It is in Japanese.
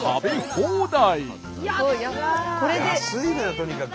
安いのよとにかく。